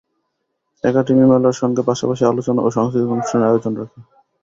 Academy মেলার সঙ্গে পাশাপাশি আলোচনা ও সাংস্কৃতিক অনুষ্ঠানের আয়োজন রাখে।